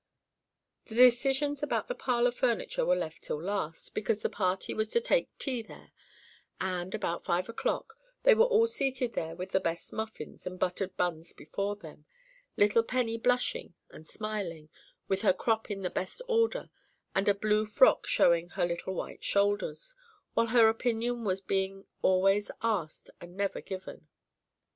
The decisions about the parlour furniture were left till last, because the party was to take tea there; and, about five o'clock, they were all seated there with the best muffins and buttered buns before them, little Penny blushing and smiling, with her "crop" in the best order, and a blue frock showing her little white shoulders, while her opinion was being always asked and never given.